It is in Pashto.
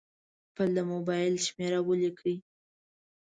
خپل د مبایل شمېره ولیکئ.